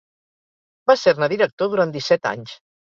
Va ser-ne director durant disset anys.